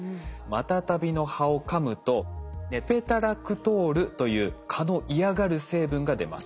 マタタビの葉をかむとネペタラクトールという蚊の嫌がる成分が出ます。